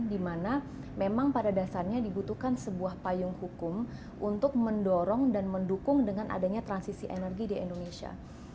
dimana memang pada dasarnya dibutuhkan sebuah payung hukum untuk mendorong dan mendukung dengan adanya transisi energi di indonesia